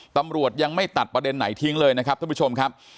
ตำรวจยังไม่ตัดประเด็นไหนทิ้งเลยนะครับท่านผู้ชมครับ